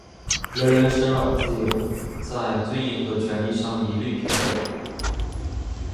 人人生而自由，在尊严和权利上一律平等。